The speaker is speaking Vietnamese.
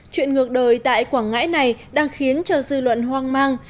chuyện ngược đời tại quảng ngãi này đang khiến cho dư luận hoang mang